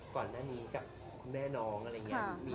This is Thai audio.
ก่อนหน้านี้กับคุณแม่น้องอะไรอย่างนี้